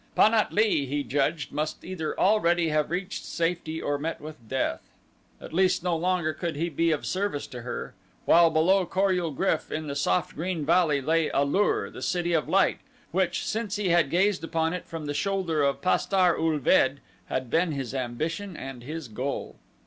Pan at lee he judged must either have already reached safety or met with death. At least, no longer could he be of service to her, while below Kor ul GRYF, in the soft green valley, lay A lur, the City of Light, which, since he had gazed upon it from the shoulder of Pastar ul ved, had been his ambition and his goal.